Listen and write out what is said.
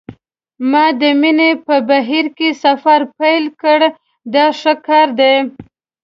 ما د مینې په بېړۍ کې سفر پیل کړ دا ښه کار دی.